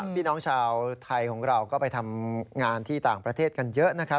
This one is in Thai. พี่น้องชาวไทยของเราก็ไปทำงานที่ต่างประเทศกันเยอะนะครับ